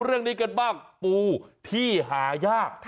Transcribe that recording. เรื่องนี้กันบ้างปูที่หายาก